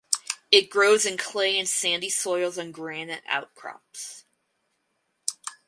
It grows in clay and sandy soils on granite outcrops.